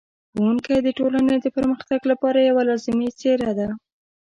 ښوونکی د ټولنې د پرمختګ لپاره یوه لازمي څېره ده.